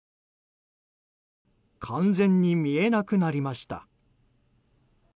完全に見えなくなりました。